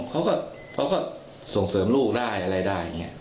เขาก็ส่งเสริมลูกได้